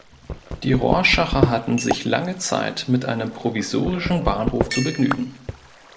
Die Rorschacher hatten sich lange Zeit mit einem provisorischen Bahnhof zu begnügen.